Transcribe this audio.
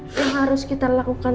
apa yang kamu lakukan